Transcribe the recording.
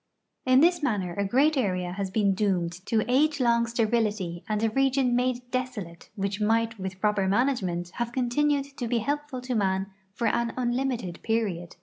In this manner a great area has been doomed to age long sterility and a region made desolate which might with proper management have continued to be helpful to man for an unlimited period.